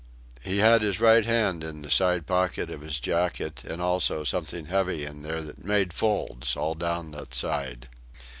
He had his right hand in the side pocket of his jacket, and also something heavy in there that made folds all down that side.